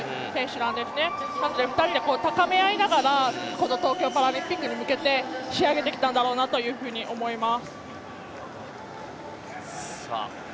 なので２人で高め合いながら東京パラリンピックに向けて仕上げてきたんだろうなと思います。